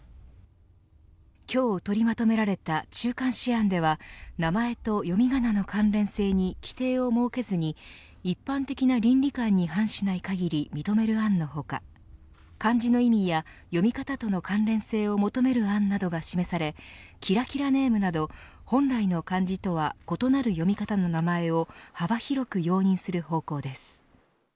今日取りまとめられた中間試案では名前と読み仮名の関連性に規定を設けずに一般的な倫理感に反しない限り認める案の他漢字の意味や読み方との関連性を求める案などが示されキラキラネームなど、本来の漢字とは異なる読み方の名前を幅広く容認する方向です。